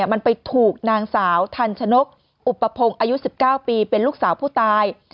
มันไปถูกนางสาวทันชนกอุปพงศ์อายุ๑๙ปีเป็นลูกสาวผู้ตาย